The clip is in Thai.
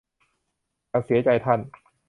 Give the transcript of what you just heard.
ฉันเสียใจ ท่าน